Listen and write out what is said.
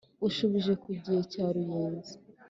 ushubije ku gihe cya ruyenzi: